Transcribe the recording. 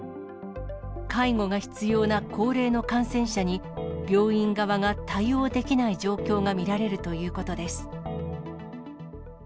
介護が必要な高齢の感染者に、病院側が対応できない状況が見られるということです。